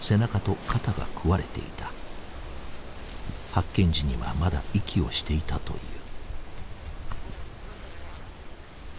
発見時にはまだ息をしていたという。